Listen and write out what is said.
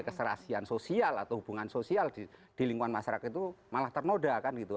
keserasian sosial atau hubungan sosial di lingkungan masyarakat itu malah ternoda kan gitu